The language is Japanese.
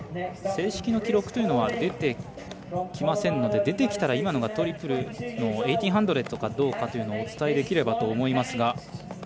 正式の記録というのは出てきませんので出てきたら今のがトリプルの１８００かどうかというのがお伝えできればと思いますが。